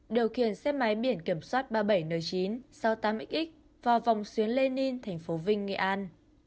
điều khiển xếp máy biển kiểm soát ba mươi bảy n chín sau tám xx vào vòng xuyến lê ninh thành phố vinh nghệ an